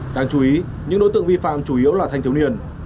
đáng chú ý những đối tượng vi phạm chủ yếu là thanh thiếu niên